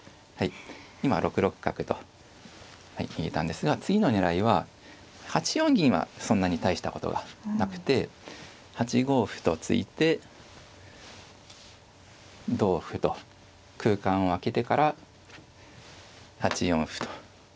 今６六角と逃げたんですが次の狙いは８四銀はそんなに大したことはなくて８五歩と突いて同歩と空間を空けてから８四歩と。